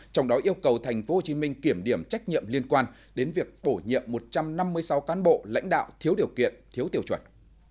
trong đó yêu cầu tp hcm kiểm điểm trách nhiệm liên quan đến việc bổ nhiệm một trăm năm mươi sáu cán bộ lãnh đạo thiếu điều kiện thiếu tiêu chuẩn